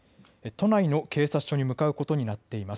都内の警察署に向かうことになっています。